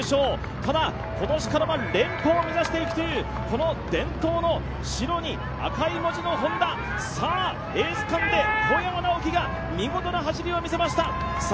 ただ、今年からは連覇を目指していくという伝統の白に赤い文字のＨｏｎｄａ、エース区間で小山直城が見事な走りを見せました。